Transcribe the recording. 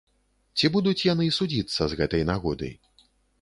Ці будуць яны судзіцца з гэтай нагоды?